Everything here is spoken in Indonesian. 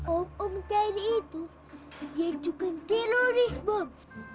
om om jadi itu dia juga teroris bom